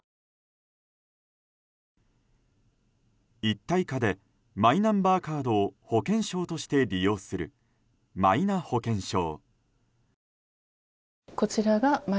一体化でマイナンバーカードを保険証として利用するマイナ保険証。